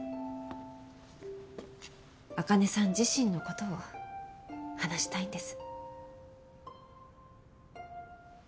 茜さん自身の事を話したいんです。